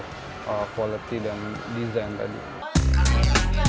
kalau kita mau ke tempat tempat kita harus ke tempat tempat yang lebih kualitas dan desain tadi